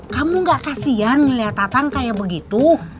kamu gak kasian melihat tatang kayak begitu